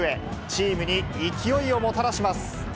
チームに勢いをもたらします。